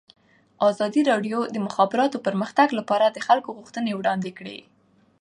ازادي راډیو د د مخابراتو پرمختګ لپاره د خلکو غوښتنې وړاندې کړي.